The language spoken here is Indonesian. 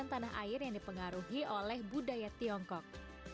dan juga pengalaman air yang dipengaruhi oleh budaya tiongkok